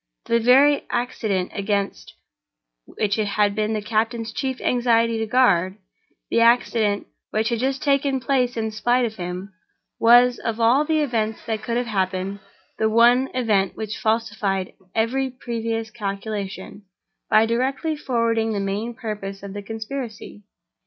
The very accident against which it had been the captain's chief anxiety to guard—the accident which had just taken place in spite of him—was, of all the events that could have happened, the one event which falsified every previous calculation, by directly forwarding the main purpose of the conspiracy!